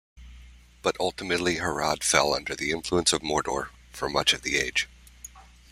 But ultimately Harad fell under the influence of Mordor for much of the Age.